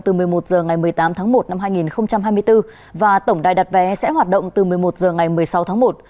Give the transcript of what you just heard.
từ một mươi một h ngày một mươi tám tháng một năm hai nghìn hai mươi bốn và tổng đài đặt vé sẽ hoạt động từ một mươi một h ngày một mươi sáu tháng một